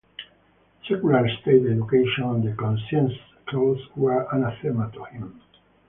Secular state education and the conscience clause were anathema to him.